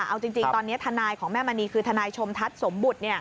เอาจริงตอนนี้ทนายของแม่มณีคือทนายชมทัศน์สมบุตร